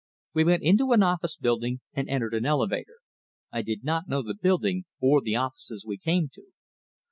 We went into an office building, and entered an elevator. I did not know the building, or the offices we came to.